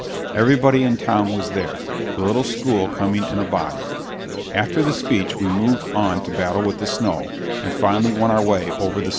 Everybody in town was there, the little school coming in a body. After the speech we moved on to battle with the snow, and finally won our way over the summit.